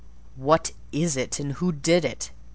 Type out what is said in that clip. "What is it? and who did it?"